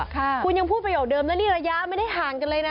คุณยังพูดประโยคเดิมแล้วนี่ระยะไม่ได้ห่างกันเลยนะ